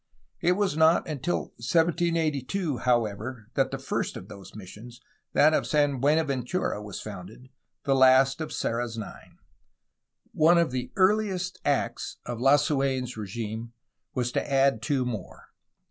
It was not until 1782, however, that the first of the missions, that of San Buenaventura, was founded, the last of Serra^s nine. One of the earhest acts of Lasuen's regime was to add two more.